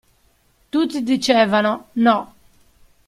Tutti dicevano: no.